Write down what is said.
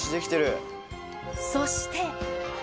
そして。